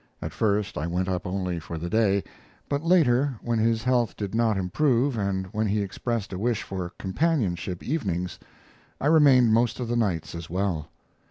At first I went up only for the day; but later, when his health did not improve, and when he expressed a wish for companionship evenings, I remained most of the nights as well.